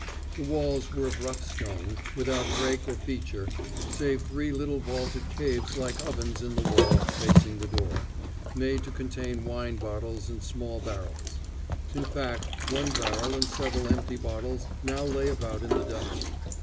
The walls were of rough stone, without break or feature, save three little vaulted caves like ovens in the wall facing the door, made to contain wine bottles and small barrels: in fact, one barrel and several empty bottles now lay about in the dust.